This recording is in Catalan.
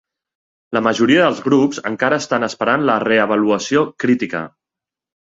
La majoria dels grups encara estan esperant la reavaluació crítica.